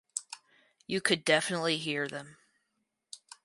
You could definitely hear them.